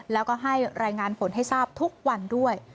แล้วก็ให้รายงานผลให้ทราบทุกวันด้วย